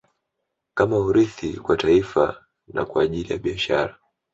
Kama urithi kwa taifa na kwa ajili ya Biashara